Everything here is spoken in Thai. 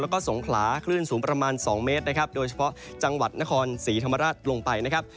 แล้วก็สงขลาคลื่นสูงประมาณ๒เมตรนะครับโดยเฉพาะจังหวัดนครศรีธรรมราชลงไปนะครับ